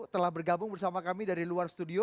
telah bergabung bersama kami dari luar studio